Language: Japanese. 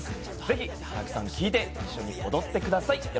ぜひたくさん聴いて一緒に踊ってください。